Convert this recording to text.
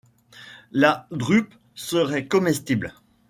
La drupe serait comestible.